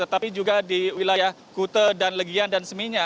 tetapi juga di wilayah kute dan legian dan seminya